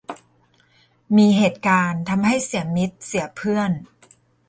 มีเหตุการณ์ทำให้เสียมิตรเสียเพื่อน